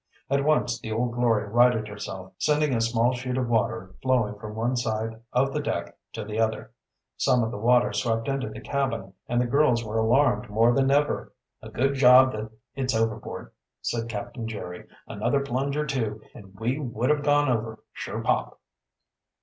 At once the Old Glory righted herself, sending a small sheet of water flowing from one side of the deck to the other. Some of the water swept into the cabin, and the girls were alarmed more than ever. "A good job done that it's overboard," said Captain Jerry. "Another plunge or two and we would have gone over, sure pop!"